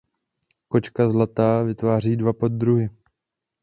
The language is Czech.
Kočka zlatá vytváří dva poddruhy.